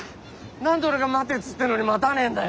何で俺が待てっつってんのに待たねえんだよ。